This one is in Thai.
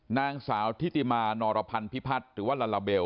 นางสาวทิติมานอรพันธ์พิพัฒน์หรือว่าลาลาเบล